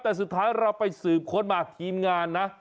แต่สุดท้ายเราไปสืบค้นมาทีมงานนะ